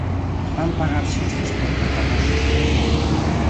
Van pagar xustos por pecadores.